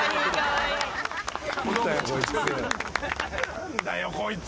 何だよこいつ。